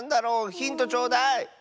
ヒントちょうだい！